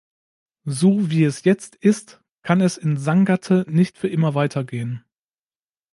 So wie es jetzt ist, kann es in Sangatte nicht für immer weitergehen.